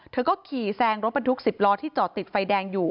เธอก็ขี่แซงรถบรรทุก๑๐ล้อที่จอดติดไฟแดงอยู่